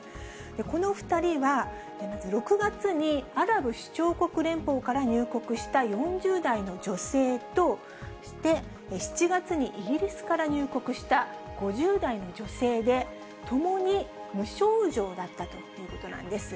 この２人は、まず６月にアラブ首長国連邦から入国した４０代の女性と、そして７月にイギリスから入国した５０代の女性で、ともに無症状だったということなんです。